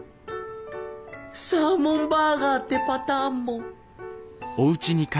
サーモンバーガーってパターンも。